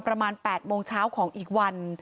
ประมาณ๘โมงเช้าของอีกวัน